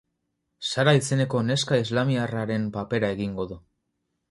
Sara izeneko neska islamiarraren papera egingo du.